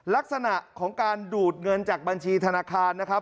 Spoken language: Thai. ลักษณะของการดูดเงินจากบัญชีธนาคารนะครับ